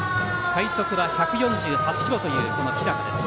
最速は１４８キロという日高です。